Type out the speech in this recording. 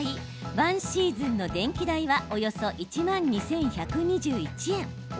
１シーズンの電気代はおよそ１万２１２１円。